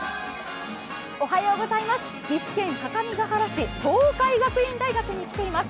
岐阜県各務原市、東海学院大学に来ています。